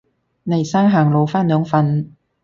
黎生行路返兩份